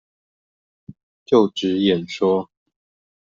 就職演說